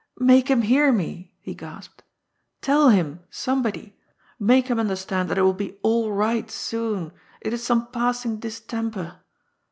" Make him hear me !" he gasped. Tell him, somebody — ^make him understand that it will be all right goon ! It is some passing distemper.